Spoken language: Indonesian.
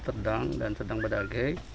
sedang dan sedang badage